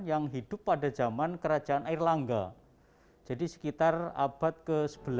yang hidup pada zaman kerajaan air langga jadi sekitar abad ke sebelas